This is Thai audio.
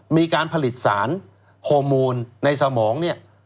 มีการผลิตสารโฮมูลในสมอง